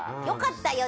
よかった。